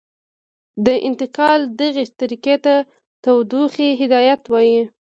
د انتقال دغې طریقې ته تودوخې هدایت وايي.